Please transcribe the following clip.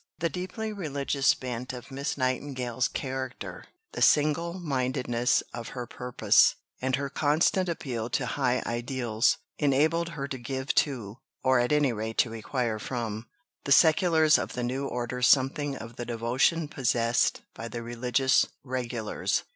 The deeply religious bent of Miss Nightingale's character, the single mindedness of her purpose, and her constant appeal to high ideals, enabled her to give to (or at any rate to require from) the Seculars of the new order something of the devotion possessed by the religious Regulars.